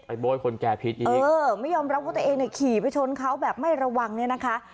โบ๊ยคนแก่พิษอีกเออไม่ยอมรับว่าตัวเองเนี่ยขี่ไปชนเขาแบบไม่ระวังเนี่ยนะคะ